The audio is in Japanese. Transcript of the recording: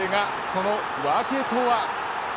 その訳とは。